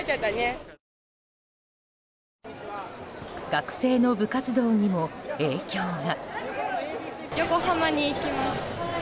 学生の部活動にも影響が。